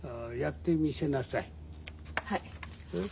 はい。